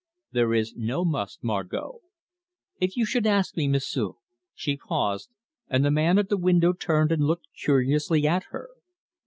"There is no must, Margot." "If you should ask me, M'sieu' " She paused, and the man at the window turned and looked curiously at her.